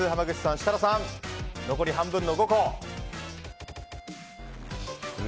設楽さん、残り半分の５個。